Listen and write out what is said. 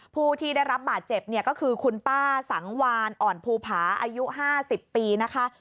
ผู้ที่ได้รับบาดเจ็บเนี่ยก็คือคุณป้าสังวานอ่อนภูผาอายุ๕๐ปีนะคะ